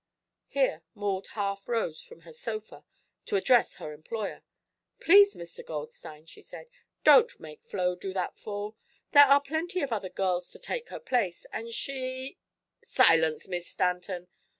Here Maud half rose from her sofa to address her employer. "Please, Mr. Goldstein," she said, "don't make Flo do that fall. There are plenty of other girls to take her place, and she " "Silence, Miss Stanton!"